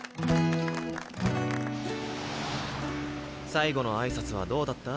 最後の挨拶はどうだった？